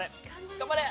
頑張れ！